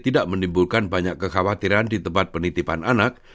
tidak menimbulkan banyak kekhawatiran di tempat penitipan anak